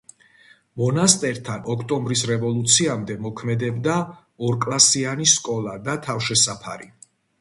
მონასტერთან ოქტომბრის რევოლუციამდე მოქმედებდა ორკლასიანი სკოლა და თავშესაფარი.